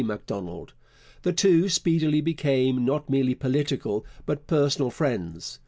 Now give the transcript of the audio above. Macdonald. The two speedily became, not merely political, but personal friends.